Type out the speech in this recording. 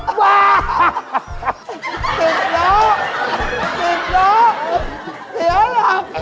สุดยอด